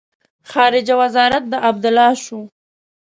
خارجه وزارت د عبدالله شو.